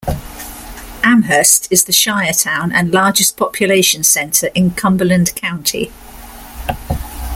Amherst is the shire town and largest population centre in Cumberland County.